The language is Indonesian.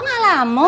kok gak lamun